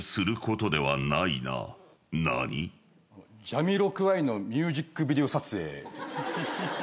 ジャミロクワイのミュージックビデオ撮影。